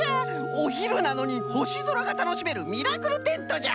おひるなのにほしぞらがたのしめるミラクルテントじゃ！